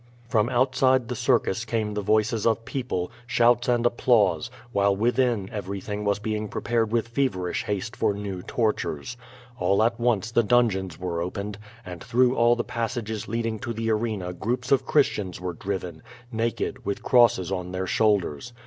From outside the circus came the voices of people, shouts and applausQ. while within everything was being prepared with feverislihaste for new tortures. All at once the dun geons were opened, and through all the passages leading to the arena groups of Christians were driven, naked, with crosses on their shoulders.